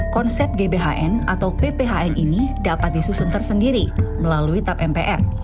konsep gbhn atau pphn ini dapat disusun tersendiri melalui tap mpr